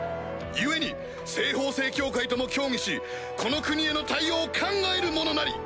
故に西方聖教会とも協議しこの国への対応を考えるものなり！